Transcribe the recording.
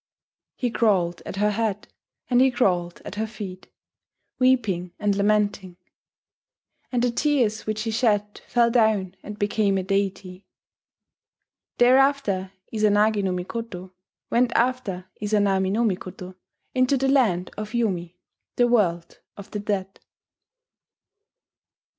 He crawled at her head and he crawled at her feet, weeping and lamenting; and the tears which he shed fell down and became a deity .... Thereafter Izanagi no Mikoto went after Izanami no Mikoto into the Land of Yomi, the world of the dead.